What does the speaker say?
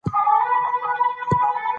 انسانان په ډله ایزه توګه ژوند کوي.